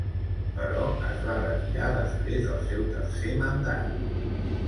Però, es va retirar després del seu tercer mandat.